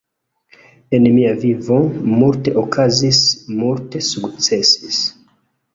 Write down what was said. En mia vivo, multe okazis, multe sukcesis